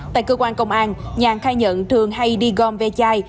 tại cơ quan công an nhàn khai nhận thường hay đi gom ve chai